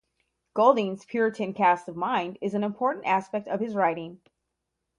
Golding's "puritan cast of mind" is an important aspect of his writing.